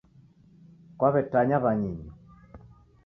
Kwaw'etanya w'anyinyu